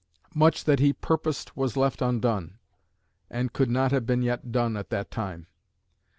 Much that he purposed was left undone, and could not have been yet done at that time.